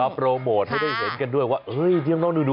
โปรโมทให้ได้เห็นกันด้วยว่าเฮ้ยเลี้ยงน้องหนู